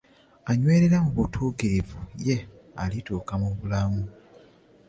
Anywerera mu butuukirivu ye alituuka mu bulamu.